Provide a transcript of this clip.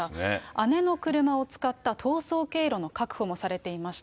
姉の車を使った逃走経路の確保もされていました。